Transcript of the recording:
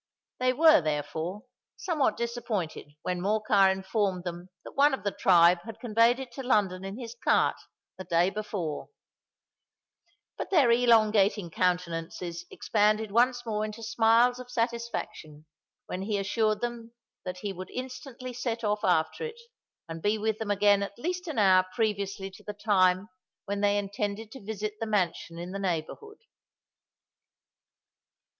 They were, therefore, somewhat disappointed when Morcar informed them that one of the tribe had conveyed it to London in his cart the day before; but their elongating countenances expanded once more into smiles of satisfaction when he assured them that he would instantly set off after it, and be with them again at least an hour previously to the time when they intended to visit the mansion in the neighbourhood.